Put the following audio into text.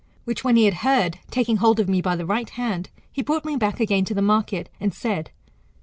Which when he had heard, taking hold of me by the right hand, he brought me back again to the market, and said.